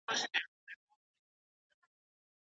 د معلوماتو شریکول د ټولنې په ګټه دي.